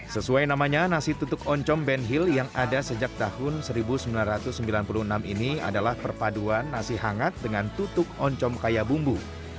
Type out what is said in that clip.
sesuai namanya nasi tutuk oncom benhil yang ada sejak tahun seribu sembilan ratus sembilan puluh enam ini adalah perpaduan nasi hangat dengan tutuk oncom kaya bumbu